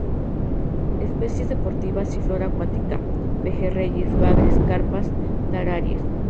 Especies deportivas y flora acuática: pejerreyes, bagres, carpas, tarariras.